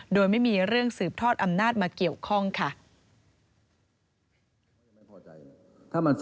โดยไม่มีเรื่องสืบทอดอำนาจมาเกี่ยวข้องค่ะ